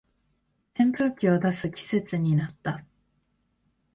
扇風機を出す季節になった